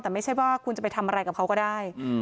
แต่ไม่ใช่ว่าคุณจะไปทำอะไรกับเขาก็ได้